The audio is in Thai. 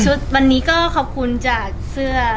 วันนี้ก็ขอบคุณจากเสื้อ